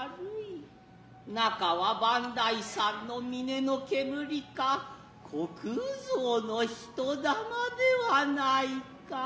中は磐梯山の峰の煙か虚空蔵の人魂ではないかい。